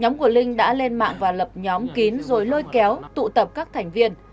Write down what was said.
nhóm của linh đã lên mạng và lập nhóm kín rồi lôi kéo tụ tập các thành viên